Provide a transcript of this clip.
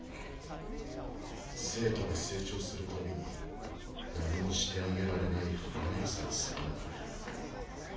生徒が成長する度に何もしてあげられない歯痒さに苛まれる。